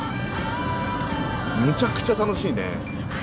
むちゃくちゃ楽しいね。